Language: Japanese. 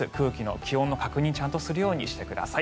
気温の確認をちゃんとするようにしてください。